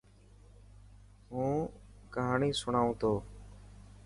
هون ڪهاڻي سڻوان تو.